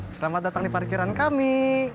selamat datang di parkiran kami